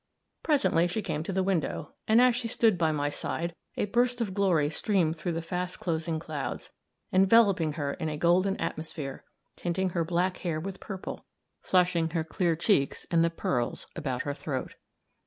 Presently she came to the window, and as she stood by my side, a burst of glory streamed through the fast closing clouds, enveloping her in a golden atmosphere, tinting her black hair with purple, flushing her clear cheeks and the pearls about her throat.